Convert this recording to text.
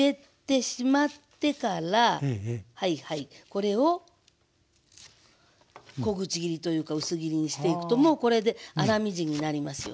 これを小口切りというか薄切りにしていくともうこれで粗みじんになりますよね。